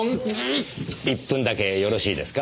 １分だけよろしいですか？